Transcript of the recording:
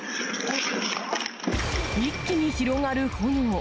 一気に広がる炎。